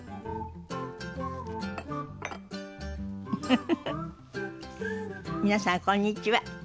フフフフ皆さんこんにちは。